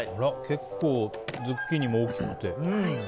結構、ズッキーニも大きくて。